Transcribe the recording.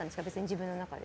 自分の中で。